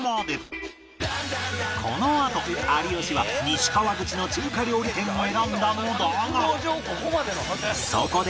このあと有吉は西川口の中華料理店を選んだのだが